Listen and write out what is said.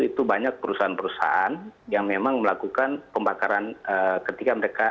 itu banyak perusahaan perusahaan yang memang melakukan pembakaran ketika mereka